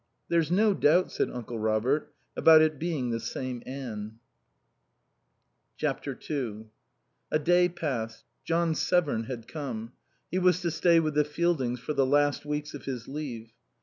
"There's no doubt," said Uncle Robert, "about it being the same Anne." ii A day passed. John Severn had come. He was to stay with the Fieldings for the last weeks of his leave.